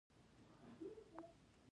په درېیم پړاو کې د توکو د پانګې په ډول وه